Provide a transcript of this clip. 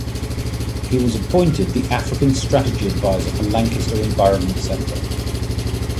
He was appointed the African Strategy Adviser for Lancaster Environment Centre.